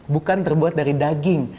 bukan terbuat dari daging